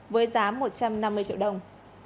với giá một trăm năm mươi triệu đồng